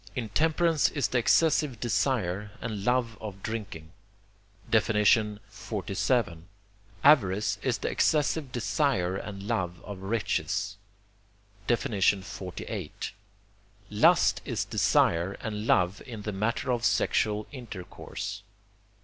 Intemperance is the excessive desire and love of drinking. XLVII. Avarice is the excessive desire and love of riches. XLVIII. Lust is desire and love in the matter of sexual intercourse.